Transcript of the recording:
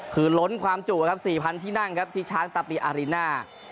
คือล้นความจุครับ๔๐๐ที่นั่งครับที่ช้างตาปีอาริน่า